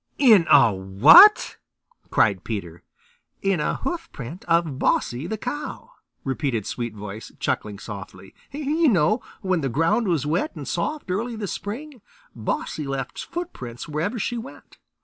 "In a WHAT?" cried Peter. "In a hoofprint of Bossy the Cow," repeated Sweetvoice, chuckling softly. "You know when the ground was wet and soft early this spring, Bossy left deep footprints wherever she went.